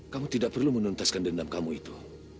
kamu tidak perlu menuntaskan dendam kamu itu